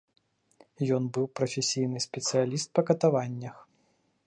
Ён быў прафесійны спецыяліст па катаваннях.